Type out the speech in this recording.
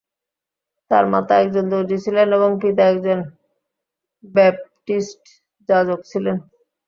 তার মাতা একজন দর্জি ছিলেন এবং পিতা একজন ব্যাপটিস্ট যাজক ছিলেন।